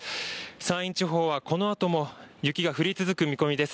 山陰地方はこのあとも雪が降り続く見込みです。